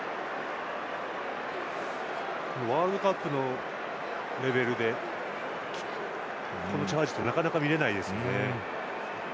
ワールドカップのレベルでこのチャージってなかなか見れないですね。